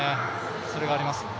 それがありますね。